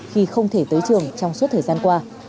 khi không thể tới trường trong suốt thời gian qua